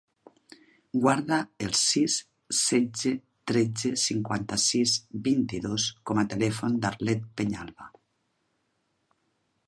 Guarda el sis, setze, tretze, cinquanta-sis, vint-i-dos com a telèfon de l'Arlet Peñalba.